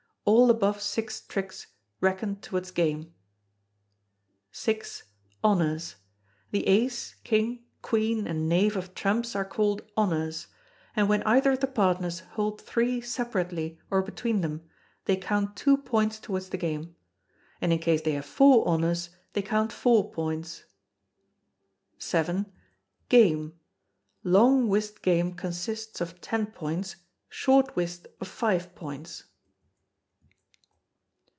All above six tricks reckon towards game. vi. Honours. The ace, king, queen, and knave of trumps are called honours; and when either of the partners hold three separately, or between them, they count two points towards the game; and in case they have four honours, they count four points. vii. Game. _Long Whist game consists of ten points, Short Whist of five points.